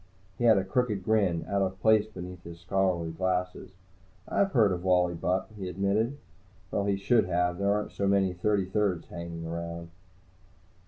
He had a crooked grin, out of place beneath his scholarly glasses. "I've heard of Wally Bupp," he admitted. Well, he should have. There aren't so many Thirty thirds hanging around.